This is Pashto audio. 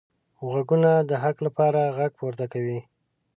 غوږونه د حق لپاره غږ پورته کوي